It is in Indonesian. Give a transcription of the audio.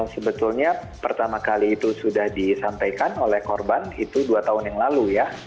sebetulnya pertama kali itu sudah disampaikan oleh korban itu dua tahun yang lalu ya